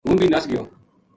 ہوں بھی نس گیو